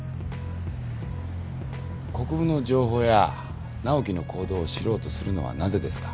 国府の情報や直季の行動を知ろうとするのはなぜですか？